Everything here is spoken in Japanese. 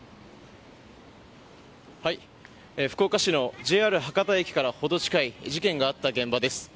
福岡市のＪＲ博多駅からほど近い事件があった現場です。